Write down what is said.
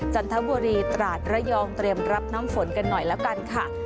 จันทบุรีตราดระยองเตรียมรับน้ำฝนกันหน่อยแล้วกันค่ะ